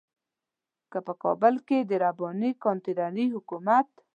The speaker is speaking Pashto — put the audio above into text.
که په کابل کې د رباني کانتينري حکومت.